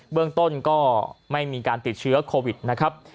เรื่องต้นก็ไม่มีการติดเชื้อโควิดนะครับ